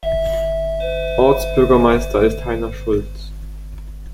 Ortsbürgermeister ist Heiner Schulz.